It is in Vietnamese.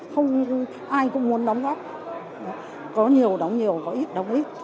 không ai cũng muốn đóng góp có nhiều đóng nhiều có ít đóng ít